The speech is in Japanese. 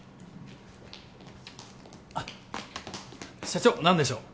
社長何でしょう？